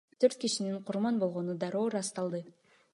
Төрт кишинин курман болгону дароо ырасталды.